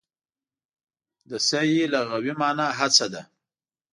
د سعې لغوي مانا هڅه ده.